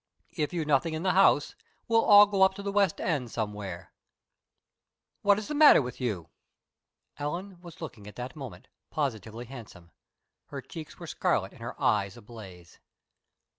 If you've nothing in the house, we'll all go up to the west end somewhere. ... What's the matter with you?" Ellen was looking at that moment positively handsome. Her cheeks were scarlet and her eyes ablaze.